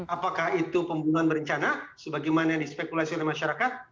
apakah itu pembunuhan berencana sebagaimana yang dispekulasi oleh masyarakat